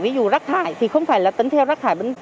ví dụ rắc thải thì không phải tính theo rắc thải